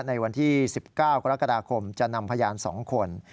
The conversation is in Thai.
ในวันที่๑๙กรกฎาคมจะนำพยาน๒คน